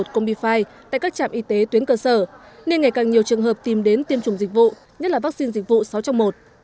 công bi phai tại các trạm y tế tuyến cơ sở nên ngày càng nhiều trường hợp tiêm đến tiêm chủng dịch vụ nhất là vaccine dịch vụ sáu trong một